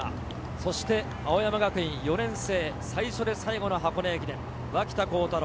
そして青山学院４年生、最初で最後の箱根駅伝、脇田幸太朗。